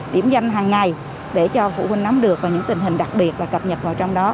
điểm danh hàng ngày để cho phụ huynh nắm được những tình hình đặc biệt và cập nhật vào trong đó